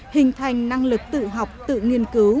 hình thành năng lực tự học tự nghiên cứu